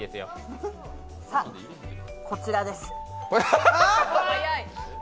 さあ、こちらです。